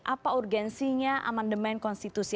apa urgensinya amandemen konstitusi